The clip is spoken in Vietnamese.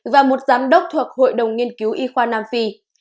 và một giám đốc thuộc hội đồng nghiên cứu y khoa nam phi